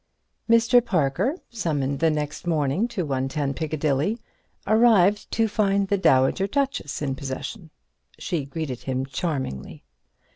IX Mr. Parker, summoned the next morning to 110 Piccadilly, arrived to find the Dowager Duchess in possession. She greeted him charmingly.